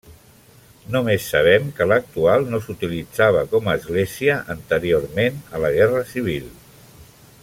Només sabem que l'actual no s'utilitzava com a església anteriorment a la Guerra Civil.